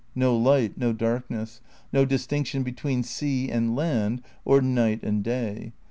No light, no dark ness. No distinction between sea and land or night and day.